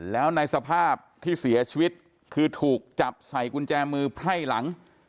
แล้วในสภาพที่เสียชีวิตคือถูกจับใส่กุญแจมือไพร่หลัง